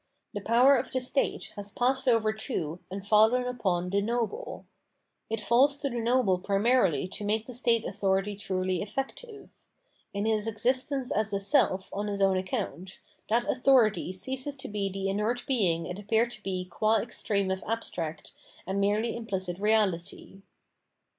The power of the state has passed over to and fallen upon the noble. It falls to the noble primarily to make the state * Cp. c'est moi." 518 Phenomenology of Mind authority truly efiective : in his existence as a self on his own account, that authority ceases to be the inert being it appeared to be qua extreme of abstract and merely impKcit reahty.